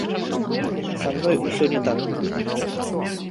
Са мной усё не так.